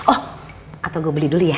oh atau gue beli dulu ya